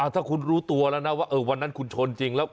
ถ้าคุณรู้ตัวแล้วนะว่าวันนั้นคุณชนจริงแล้ว